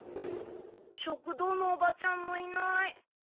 食堂のおばちゃんもいない。